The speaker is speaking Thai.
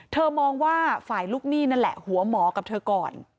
มองว่าฝ่ายลูกหนี้นั่นแหละหัวหมอกับเธอก่อน